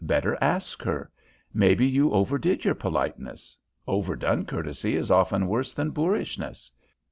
"Better ask her. Maybe you overdid your politeness. Overdone courtesy is often worse than boorishness.